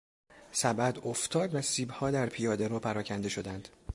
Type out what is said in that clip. سبد افتاد و سیبها در پیادهرو پراکنده شدند.